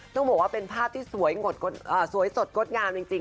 ต้องบอกว่าเป็นภาพที่สวยสดงดงามจริง